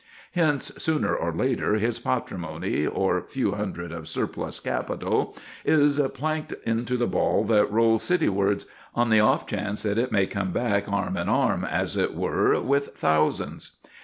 Hence, sooner or later, his patrimony, or few hundred of surplus capital, is planked into the ball that rolls citywards, on the off chance that it may come back arm in arm, as it were, with thousands.